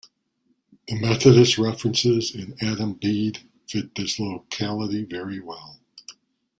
The Methodist references in "Adam Bede" fit this locality very well.